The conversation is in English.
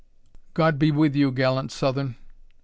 "God be with you, gallant Southern!"